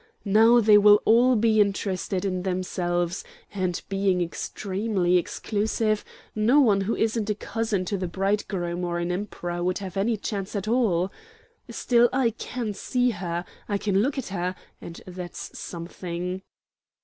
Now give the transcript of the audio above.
Now they will all be interested in themselves, and, being extremely exclusive, no one who isn't a cousin to the bridegroom or an Emperor would have any chance at all. Still, I can see her! I can look at her, and that's something."